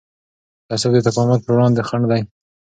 تعصب د تکامل پر وړاندې خنډ دی